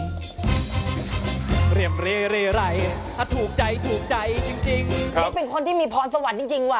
นี่เป็นคนที่มีพรสวรรค์จริงว่ะ